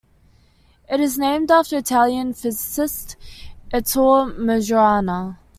It is named after the Italian physicist Ettore Majorana.